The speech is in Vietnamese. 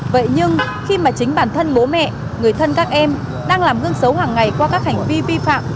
vậy nhưng khi mà chính bản thân bố mẹ người thân các em đang làm gương xấu hàng ngày qua các hành vi vi phạm